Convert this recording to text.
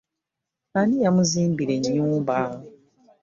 Ani yamuzimbira ennyumba.